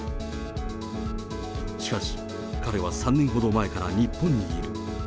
しかし、彼は３年ほど前から日本にいる。